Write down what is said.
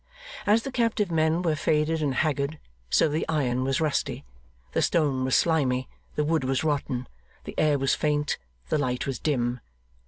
As the captive men were faded and haggard, so the iron was rusty, the stone was slimy, the wood was rotten, the air was faint, the light was dim.